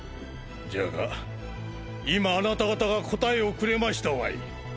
じゃが今あなた方が答えをくれましたわい。